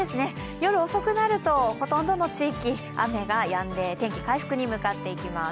夜遅くなるとほとんどの地域、雨がやんで天気回復に向かっていきます。